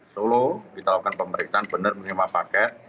solo kita lakukan pemeriksaan benar menerima paket